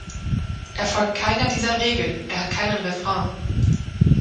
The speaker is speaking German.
Er folgt keiner dieser Regeln, er hat keinen Refrain.